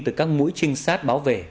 từ các mũi trinh sát bảo vệ